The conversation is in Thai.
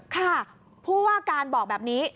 ค่ะผู้ว่าการบอกแบบนี้